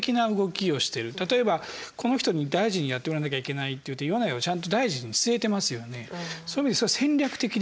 例えばこの人に大臣やってもらわなきゃいけないっていって米内をちゃんと大臣に据えてますよね。